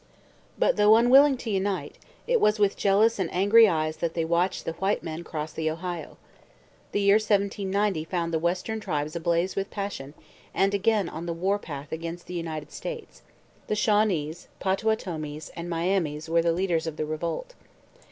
But though unwilling to unite, it was with jealous and angry eyes that they watched the white men cross the Ohio. The year 1790 found the western tribes ablaze with passion and again on the war path against the United States. The Shawnees, Potawatomis, and Miamis were the leaders of the revolt.